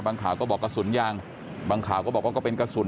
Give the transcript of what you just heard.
ข่าวก็บอกกระสุนยางบางข่าวก็บอกว่าก็เป็นกระสุน